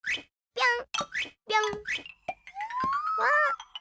ぴょん！